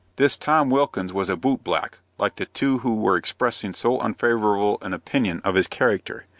This Tom Wilkins was a boot black like the two who were expressing so unfavorable an opinion of his character.